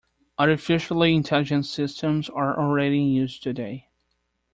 Artificially Intelligent Systems are already in use today.